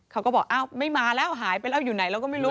เขาก็บอกอ้าวไม่มาแล้วหายไปแล้วอยู่ไหนเราก็ไม่รู้